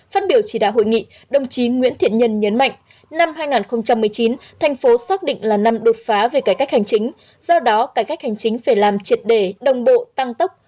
phát biểu chỉ đạo hội nghị đồng chí nguyễn thiện nhân nhấn mạnh năm hai nghìn một mươi chín thành phố xác định là năm đột phá về cải cách hành chính do đó cải cách hành chính phải làm triệt đề đồng bộ tăng tốc